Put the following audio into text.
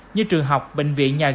như trường học bệnh viện nhà ga